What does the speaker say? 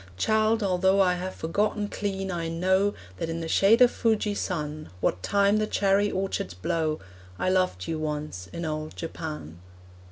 Child, although I have forgotten clean, I know That in the shade of Fujisan, What time the cherry orchards blow, I loved you once in old Japan.